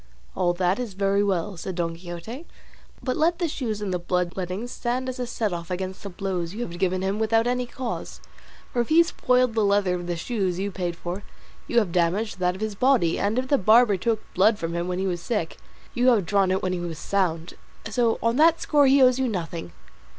"All that is very well," said Don Quixote; "but let the shoes and the blood lettings stand as a setoff against the blows you have given him without any cause; for if he spoiled the leather of the shoes you paid for, you have damaged that of his body, and if the barber took blood from him when he was sick, you have drawn it when he was sound; so on that score he owes you nothing."